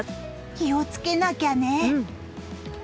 気をつけなきゃね！